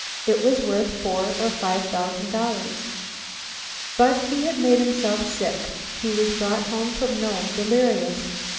It was worth four or five thousand dollars. But he had made himself sick. He was brought home from Nome delirious.